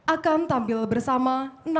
akan tampil bersama